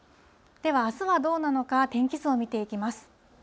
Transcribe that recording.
では、あすはどうなのか、天気図を見ていきます。